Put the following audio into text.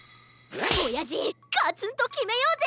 おやじガツンときめようぜ！